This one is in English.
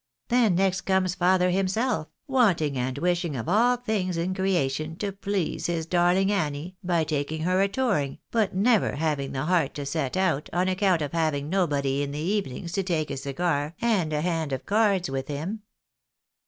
Then next comes father himself — wanting and wishing of all things in creation to please his darling Annie by taking her a touring, but never having the heart to set out, on account of having nobody in the evenings to take a cigar and a hand of cards with him.